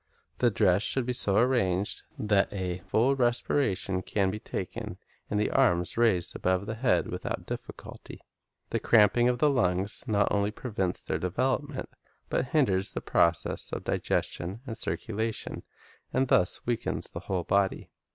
The dress should be so arranged that a full respiration can be taken, and the arms be raised above the head without difficulty. The cramping of the lungs not only prevents their development, but hinders the processes of digestion and circulation, and thus weakens the whole body.